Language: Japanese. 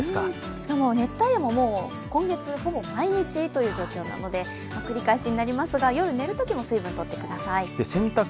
しかも熱帯夜も今月ほぼ毎日という状況なので、繰り返しになりますが夜、寝るときも水分とってください。